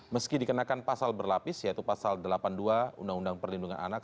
meski dikenakan pasal berlapis yaitu pasal delapan puluh dua undang undang perlindungan anak